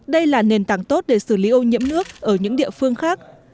đây là nền tảng tốt để xử lý ô nhiễm nước ở những địa phương khác